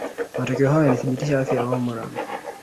Matokeo hayo yalithibitisha afya ya Wamoran